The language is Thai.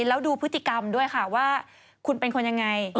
แล้วดูพฤติกรรมด้วยค่ะว่าคุณเป็นคนยังไง